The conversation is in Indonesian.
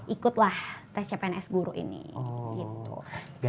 ikutlah tes cpns guru ini gitu